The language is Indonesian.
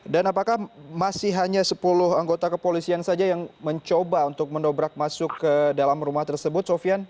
dan apakah masih hanya sepuluh anggota kepolisian saja yang mencoba untuk mendobrak masuk ke dalam rumah tersebut sofian